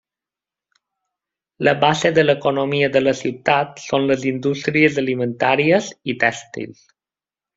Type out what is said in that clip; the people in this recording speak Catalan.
La base de l'economia de la ciutat són les indústries alimentàries i tèxtils.